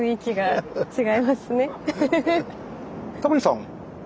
タモリさんはい。